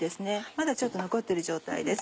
まだちょっと残ってる状態です。